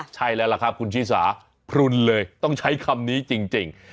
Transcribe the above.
ใช่แล้วล่ะครับคุณชิสาพลุนเลยต้องใช้คำนี้จริง